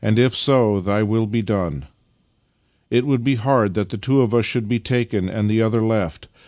If so, Thy will be done. It would be hard that two of us should be taken and the other left.